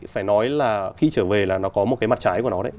phải nói là khi trở về là nó có một cái mặt trái của nó đấy